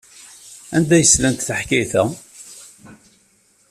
Anda ay slant taḥkayt-a?